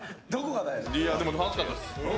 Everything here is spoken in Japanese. でも楽しかったです